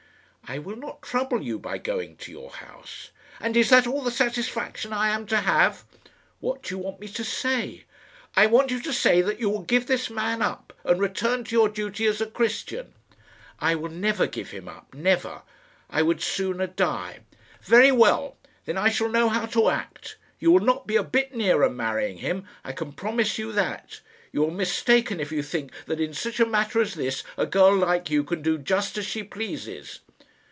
"I will not trouble you by going to your house." "And is that all the satisfaction I am to have?" "What do you want me to say?" "I want you to say that you will give this man up, and return to your duty as a Christian." "I will never give him up never. I would sooner die." "Very well. Then I shall know how to act. You will not be a bit nearer marrying him; I can promise you that. You are mistaken if you think that in such a matter as this a girl like you can do just as she pleases."